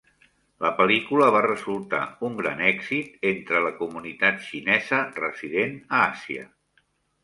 La pel·lícula va resultar un gran èxit entre la comunitat xinesa resident a Àsia.